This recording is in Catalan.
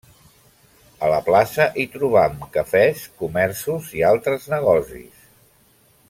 A la plaça hi trobam cafès, comerços i altres negocis.